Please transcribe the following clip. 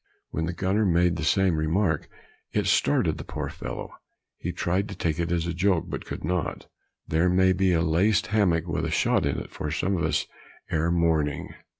When the gunner made the same remark, it started the poor fellow; he tried to take it as a joke, but could not. "There may be a laced hammock with a shot in it, for some of us ere morning."